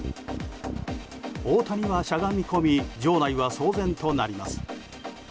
大谷はしゃがみ込み場内は騒然となります。